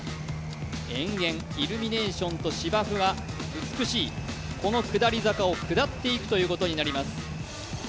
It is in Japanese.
延々、イルミネーションと芝生が美しいこの下り坂を下っていくことになります。